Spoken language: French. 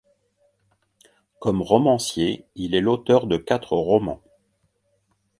Comme romancier, il est l'auteur de quatre romans.